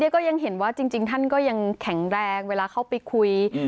ก็ยังเห็นว่าจริงท่านก็ยังแข็งแรงเวลาเข้าไปคุย